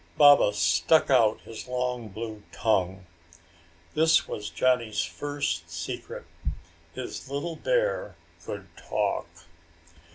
Baba stuck out his long blue tongue. This was Johnny's first secret. His little bear could talk!